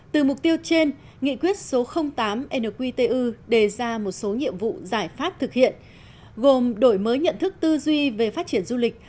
từ mục tiêu trên nghị quyết số tám nqtu đề ra một số nhiệm vụ giải pháp thực hiện gồm đổi mới nhận thức tư duy về phát triển du lịch